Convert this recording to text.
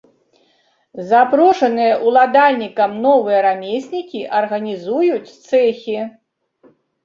Запрошаныя ўладальнікам новыя рамеснікі арганізуюць цэхі.